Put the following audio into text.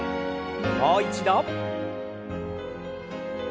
もう一度。